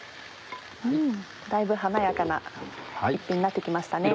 だいぶ華やかな一品になって来ましたね。